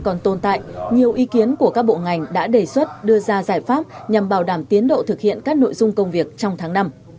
các bộ ngành đã đề xuất đưa ra giải pháp nhằm bảo đảm tiến độ thực hiện các nội dung công việc trong tháng năm